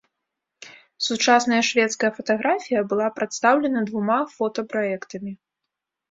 Сучасная шведская фатаграфія была прадстаўлена двума фота-праектамі.